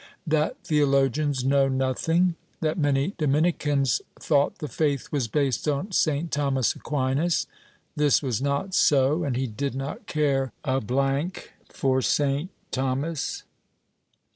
— That theologians know nothing. — That many Dominicans thought the faith was based on St. Thomas Aquinas; this was not so and he did not care a for St. Thomas.